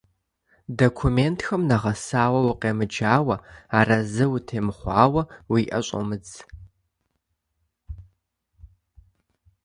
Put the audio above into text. Документхэм нэгъэсауэ укъемыджауэ, арэзы утемыхъуауэ, уи ӏэ щӏумыдз.